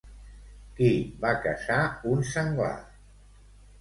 Qui va caçar un senglar?